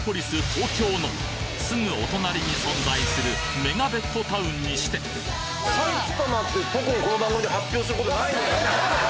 東京のすぐお隣に存在するメガベッドタウンにして埼玉って特にこの番組で発表することないね。